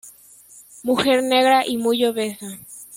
Mujer negra y muy obesa.